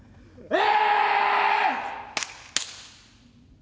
え？